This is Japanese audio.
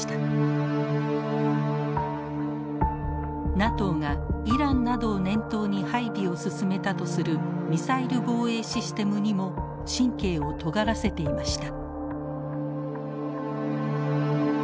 ＮＡＴＯがイランなどを念頭に配備を進めたとするミサイル防衛システムにも神経をとがらせていました。